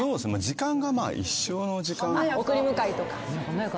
時間がまあ一緒の時間。